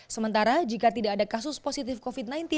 sementara jika tidak ada kasus positif covid sembilan belas